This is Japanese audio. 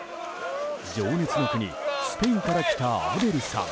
情熱の国スペインから来たアベルさん。